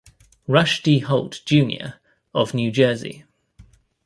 Rush D. Holt, Junior of New Jersey.